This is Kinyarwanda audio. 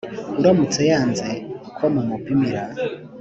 uramutse yanze ko mumupimira